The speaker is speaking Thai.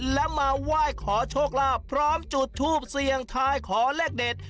และมาไหว้ขอโชคลาภพร้อมจุดทูปเสี่ยงทายขอเลขเด็ด